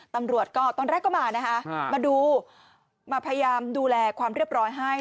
ตำรวจก็ตอนแรกก็มานะคะมาดูมาพยายามดูแลความเรียบร้อยให้